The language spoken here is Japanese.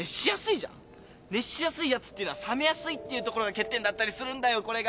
熱しやすいヤツっていうのは冷めやすいっていうところが欠点だったりするんだよこれが。